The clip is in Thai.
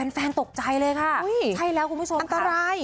แฟนตกใจเลยค่ะอุ้ยใช่แล้วคุณผู้ชมอันตราย